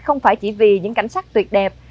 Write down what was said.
không phải chỉ vì những cảnh sát tuyệt đẹp